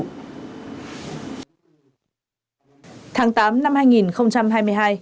tháng tám năm hai nghìn hai mươi hai